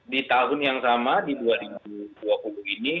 di tahun yang sama di dua ribu dua puluh ini